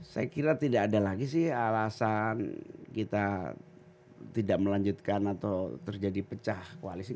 saya kira tidak ada lagi sih alasan kita tidak melanjutkan atau terjadi pecah koalisi